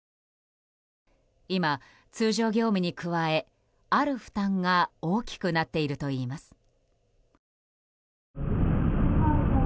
今、通常業務に加え、ある負担が大きくなっているといいます。